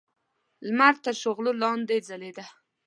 د لمر تر شغلو لاندې ځلېده.